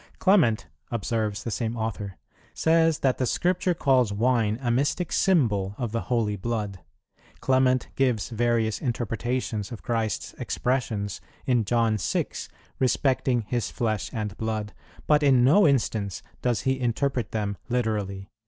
"Clement," observes the same author, "says that the Scripture calls wine a mystic symbol of the holy blood. ... Clement gives various interpretations of Christ's expressions in John vi. respecting His flesh and blood; but in no instance does he interpret them literally.